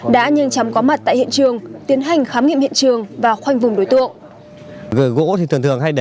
đã nhanh chóng có mặt tại hiện trường tiến hành khám nghiệm hiện trường và khoanh vùng đối tượng